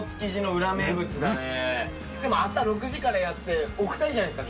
でも朝６時からやってお２人じゃないですか。